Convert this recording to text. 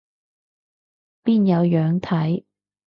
邊有樣睇